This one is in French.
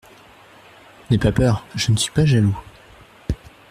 N'aie pas peur, je ne suis pas jaloux.